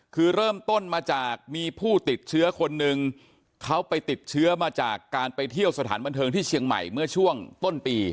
คือเริ่มต้นมาจากมีผู้ติดเชื้อคนหนึ่งเขาไปติดเชื้อมาจากการไปเที่ยวสถานบันเทิงที่เชียงใหม่เมื่อช่วงต้นปี